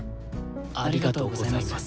ありがとうございます。